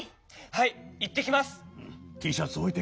はい！